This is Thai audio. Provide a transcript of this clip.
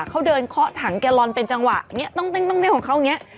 เขาเดินเคาะถังแกลลอนเป็นจังหวะเนี่ยตั้งของเขาเนี่ย